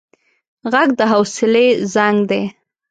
غږ د حوصله زنګ دی